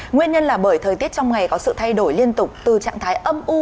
nguyên nhân là bởi thời tiết trong ngày có sự thay đổi liên tục từ trạng thái âm u